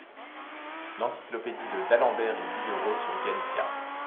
L'encyclopédie de d'Alembert et Diderot sur Gallica.